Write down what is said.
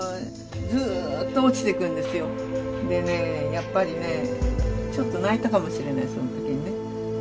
やっぱりねちょっと泣いたかもしれないその時にね。